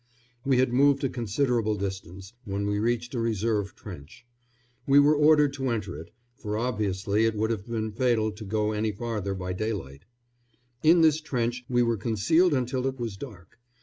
We had moved a considerable distance, when we reached a reserve trench. We were ordered to enter it, for obviously it would have been fatal to go any farther by daylight. In this trench we were concealed until it was dark.